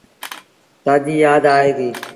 تآجيٚ يآد آئي دي۔